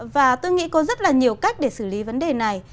và tôi nghĩ có rất là nhiều cách để xử lý vấn đề này